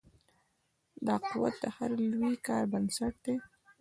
دا قوت د هر لوی کار بنسټ دی.